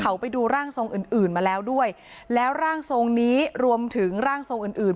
เขาไปดูร่างทรงอื่นอื่นมาแล้วด้วยแล้วร่างทรงนี้รวมถึงร่างทรงอื่นอื่น